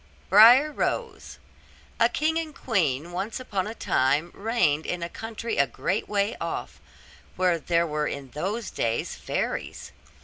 BRIAR ROSE A king and queen once upon a time reigned in a country a great way off, where there were in those days fairies.